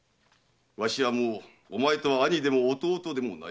「わしはもうお前とは兄でも弟でもない」